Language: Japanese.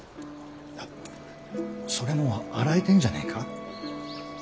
いやそれもう洗えてんじゃねえか？